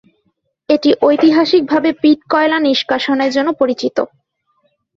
এটি ঐতিহাসিকভাবে পিট কয়লা নিষ্কাশনের জন্য পরিচিত।